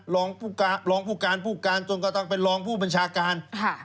รองผู้การผู้การจนกระทั่งเป็นรองผู้บัญชาการ